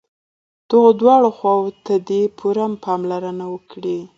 دغو دواړو خواوو ته دې پوره پاملرنه وکړي.